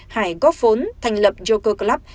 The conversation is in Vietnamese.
hải góp phốn thành lập joker club